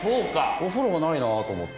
お風呂がないなぁと思って。